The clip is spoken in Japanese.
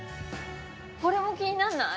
これも気になんない？